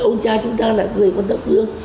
ông cha chúng ta là người con tập hương